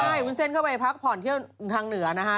ใช่วุ้นเส้นเข้าไปพักผ่อนเที่ยวทางเหนือนะฮะ